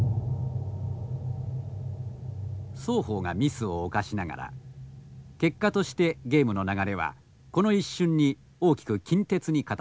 双方がミスを犯しながら結果としてゲームの流れはこの一瞬に大きく近鉄に傾いた。